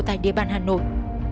tại địa bàn hà nội